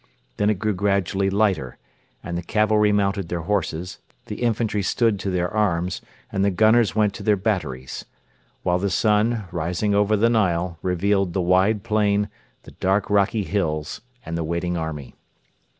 Then it grew gradually lighter, and the cavalry mounted their horses, the infantry stood to their arms, and the gunners went to their batteries; while the sun, rising over the Nile, revealed the wide plain, the dark rocky hills, and the waiting army.